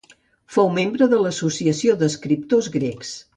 Fou membre de l'Associació d'Escriptors Grecs.